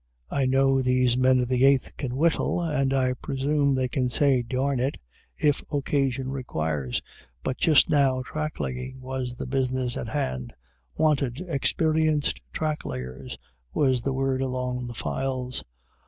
I know these men of the Eighth can whittle, and I presume they can say "Darn it," if occasion requires; but just now track laying was the business on hand. "Wanted, experienced track layers!" was the word along the files.